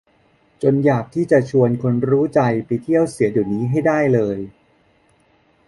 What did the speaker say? จนอยากที่จะชวนคนรู้ใจไปเที่ยวเสียเดี๋ยวนี้ให้ได้เลย